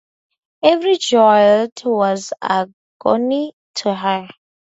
Every jolt was agony to her.